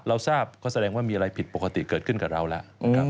เราทราบก็แสดงว่ามีอะไรผิดปกติเกิดขึ้นกับเราแล้วนะครับ